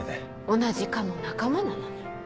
同じ課の仲間なのに。